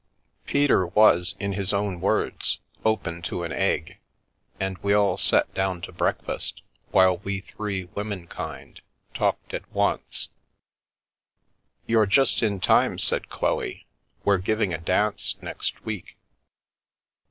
Peter was, in his own words, " open to an tgg f f ' and we all sat down to breakfast, while we three women kind talked at once. "You're just in time," said Chloe; "we're giving a dance next week."